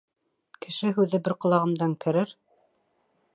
Кеше һүҙе бер ҡолағымдан керер